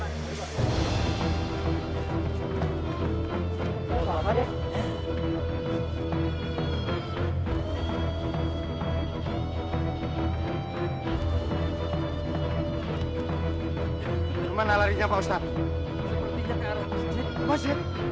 kemana larinya pak ustadz